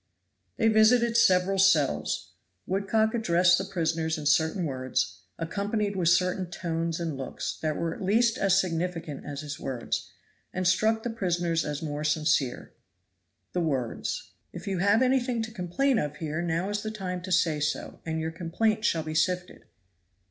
They visited several cells. Woodcock addressed the prisoners in certain words, accompanied with certain tones and looks, that were at least as significant as his words, and struck the prisoners as more sincere. The words. "If you have anything to complain of here, now is the time to say so, and your complaint shall be sifted."